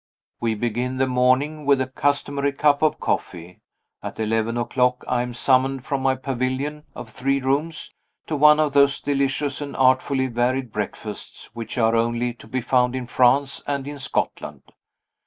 We begin the morning with the customary cup of coffee. At eleven o'clock I am summoned from my "pavilion" of three rooms to one of those delicious and artfully varied breakfasts which are only to be found in France and in Scotland.